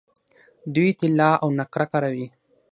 دوی طلا او نقره کاروي.